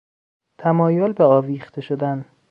تمایل به آویخته شدن